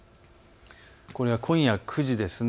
これが今夜９時です。